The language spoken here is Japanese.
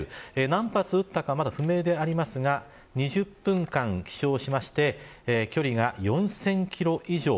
何発撃ったかはまだ不明でありますが２０分間飛翔しまして距離が４０００キロ以上。